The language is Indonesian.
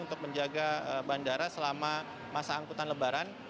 untuk menjaga bandara selama masa angkutan lebaran